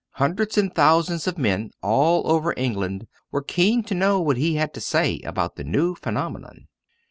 Hundreds and thousands of men all over England were keen to know what he had to say about the new phenomenon.